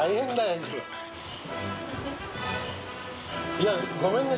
いやごめんね